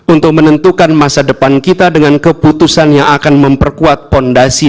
untuk menentukan masa depan kita dengan keputusan yang akan memperkuat fondasi